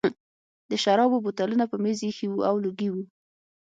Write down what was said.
د شرابو بوتلونه په مېز ایښي وو او لوګي وو